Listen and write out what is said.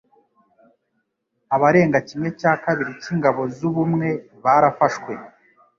Abarenga kimwe cya kabiri cyingabo z'Ubumwe barafashwe.